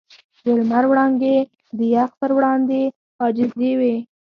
د لمر وړانګې د یخ پر وړاندې عاجزې وې.